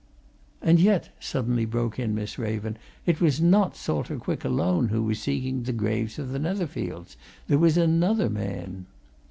"And yet," suddenly broke in Miss Raven, "it was not Salter Quick alone who was seeking the graves of the Netherfields! There was another man."